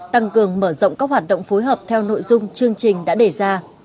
tăng cường mở rộng các hoạt động phối hợp theo nội dung chương trình đã đề ra